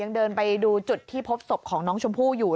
เดินไปดูจุดที่พบศพของน้องชมพู่อยู่